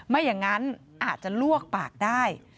ไม่อย่างนั้นอาจจะลวกปากได้